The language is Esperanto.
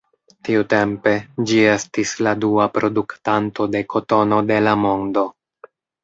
Tiutempe, ĝi estis la dua produktanto de kotono de la mondo.